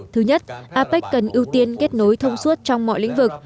thứ nhất apec cần ưu tiên kết nối thông suốt trong mọi lĩnh vực